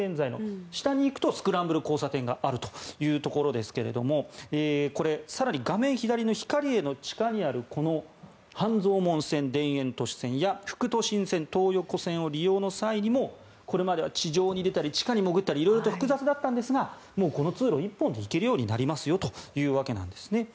下に行くとスクランブル交差点があるというところですがこれ、更に画面左のヒカリエの地下にあるこの半蔵門線、田園都市線や副都心線、東横線を利用の際にもこれまでは地上に出たり地下に潜ったり色々と複雑だったんですがこの通路１本で行けるようになりますよということなんですね。